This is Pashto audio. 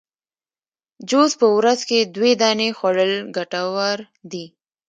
جوز په ورځ کي دوې دانې خوړل ګټور دي